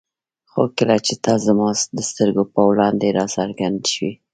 خو کله چې ته زما د سترګو په وړاندې را څرګند شوې.